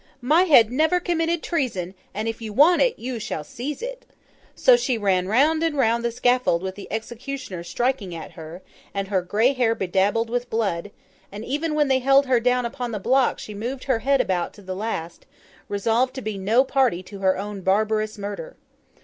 My head never committed treason, and if you want it, you shall seize it.' So, she ran round and round the scaffold with the executioner striking at her, and her grey hair bedabbled with blood; and even when they held her down upon the block she moved her head about to the last, resolved to be no party to her own barbarous murder.